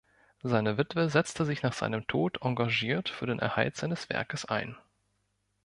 Seine Witwe setzte sich nach seinem Tod engagiert für den Erhalt seines Werkes ein.